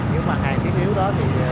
những mặt hàng thiếu đó thì